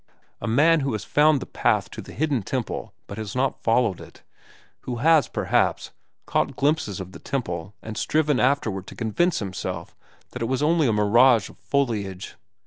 A man who has found the path to the hidden temple but has not followed it; who has, perhaps, caught glimpses of the temple and striven afterward to convince himself that it was only a mirage of foliage.